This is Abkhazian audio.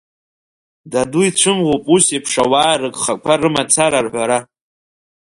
Даду ицәымӷуп ус еиԥш ауаа рыгхақәа рымацара рҳәара.